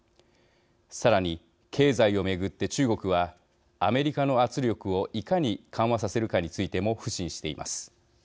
さらに、経済を巡って中国はアメリカの圧力をいかに緩和させるかについても腐心しています。